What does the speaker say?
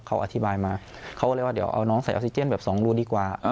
เขาอธิบายมาเขาก็เลยว่าเดี๋ยวเอาน้องใส่ออกซิเจนแบบสองรูดีกว่า